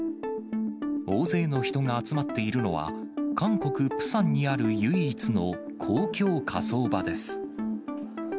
大勢の人が集まっているのは、韓国・プサンにある唯一の公共火葬場です。